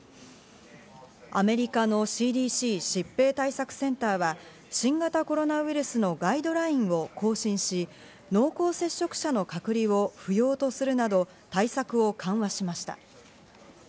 アメリカのＣＤＣ＝疾病対策センターは新型コロナウイルスのガイドラインを更新し、濃厚接触者の隔離を不要とするなど対策を緩和しました。